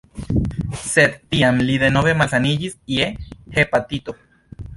Sed tiam li denove malsaniĝis je hepatito.